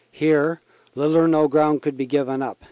Here ... little or no ground could be given up."